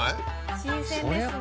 新鮮ですね。